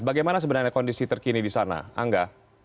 bagaimana sebenarnya kondisi terkini di sana angga